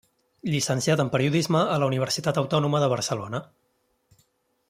Llicenciat en periodisme a la Universitat Autònoma de Barcelona.